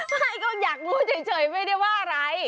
ไม่ก็อยากรู้เฉยไม่ได้ว่าอะไร